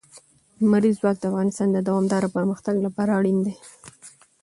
لمریز ځواک د افغانستان د دوامداره پرمختګ لپاره اړین دي.